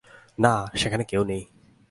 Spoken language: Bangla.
না, সেখানে কেউ নেই।